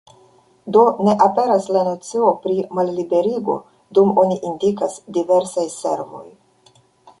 Do, ne aperas la nocio pri malliberigo, dum oni indikas "diversaj servoj".